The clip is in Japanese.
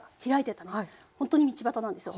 ほんとに道端なんですよ。